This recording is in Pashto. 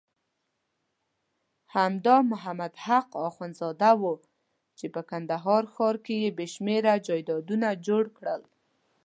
همدا محمد حق اخندزاده وو چې په کندهار ښار کې بېشمېره جایدادونه جوړ کړل.